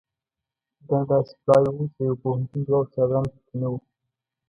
ګڼ داسې پلاوي وو چې د یوه پوهنتون دوه استادان په کې نه وو.